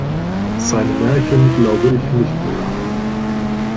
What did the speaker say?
Seine Märchen glaube ich nicht mehr.